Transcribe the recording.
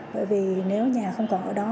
bởi vì nếu nhà không còn ở đó